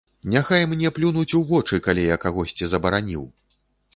Няхай мне плюнуць у вочы, калі я кагосьці забараніў.